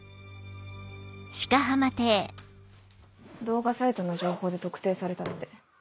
動画サイトの情報で特定されたって。